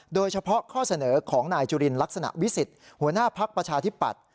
โดยเฉพาะข้อเสนอของนายจุลินลักษณะวิสิทธิ์หัวหน้าภักดิ์ประชาธิปัตย